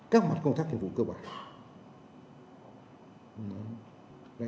các mặt công tác hình vụ cơ bản